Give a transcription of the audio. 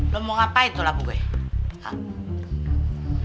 lo mau ngapain tuh lagu gue